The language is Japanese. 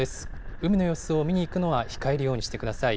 海の様子を見に行くのは控えるようにしてください。